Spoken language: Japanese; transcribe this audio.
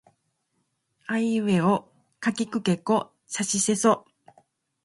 あいうえおかきくけこさしせそ